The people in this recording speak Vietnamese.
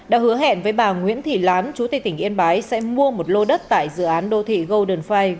đã hứa hẹn với bà nguyễn thị lán chú tây tỉnh yên bái sẽ mua một lô đất tại dự án đô thị golden fire